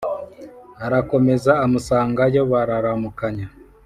arakomeza amusangayo, bararamukanya.